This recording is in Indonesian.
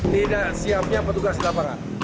tidak siapnya petugas lapangan